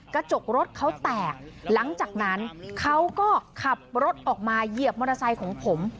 กระจกรถเขาแตกหลังจากนั้นเขาก็ขับรถออกมาเหยียบมอเตอร์ไซค์ของผม